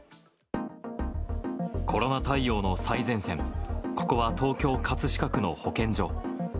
コロナ対応の最前線、ここは東京・葛飾区の保健所。